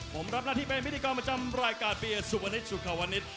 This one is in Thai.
ผมรับหน้าที่เป็นพิธีกรประจำรายการเบียดสุขวันนิดสุขวันนิด